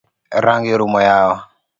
Rangi orumo yawa.